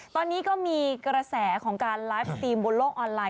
ตอนนี้ก็มีกระแสของการไลฟ์สตรีมบนโลกออนไลน